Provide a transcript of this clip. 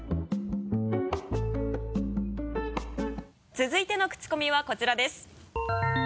続いてのクチコミはこちらです。